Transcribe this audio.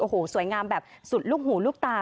โอ้โหสวยงามแบบสุดลูกหูลูกตา